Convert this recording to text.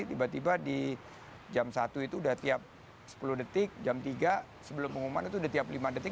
tiba tiba di jam satu itu udah tiap sepuluh detik jam tiga sebelum pengumuman itu udah tiap lima detik